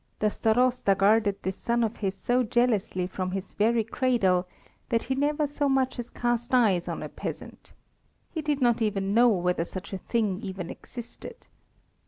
The Starosta guarded this son of his so jealously from his very cradle that he never so much as cast eyes on a peasant. He did not even know whether such a thing even existed.